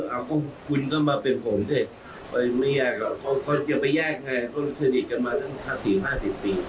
อันนี้เป็นเรื่องของทักษ์